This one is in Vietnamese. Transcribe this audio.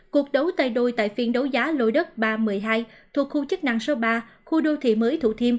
cuộc đấu tay đôi tại phiên đấu giá lôi đất ba trăm một mươi hai thuộc khu chức năng số ba khu đô thị mới thủ thiêm